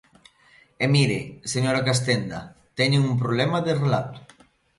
E mire, señora Castenda, teñen un problema de relato.